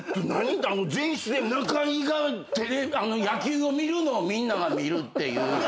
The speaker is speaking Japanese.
前室で中居が野球を見るのをみんなが見るっていう。